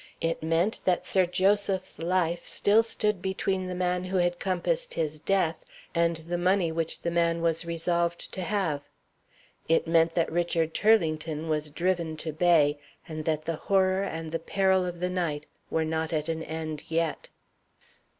It meant that Sir Joseph's life still stood between the man who had compassed his death and the money which the man was resolved to have. It meant that Richard Turlington was driven to bay, and that the horror and the peril of the night were not at an end yet.)